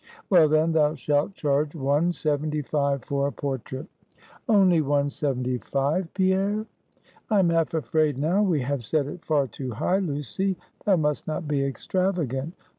"Well, then, thou shalt charge one seventy five for a portrait." "Only one seventy five, Pierre?" "I am half afraid now we have set it far too high, Lucy. Thou must not be extravagant.